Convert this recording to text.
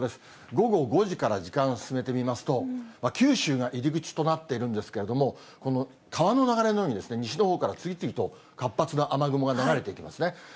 午後５時から時間進めてみますと、九州が入り口となっているんですけれども、この川の流れのように、西のほうから次々と活発な雨雲が流れていきますね。